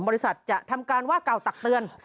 บริษัทจะทำการว่ากล่าวตักเตือน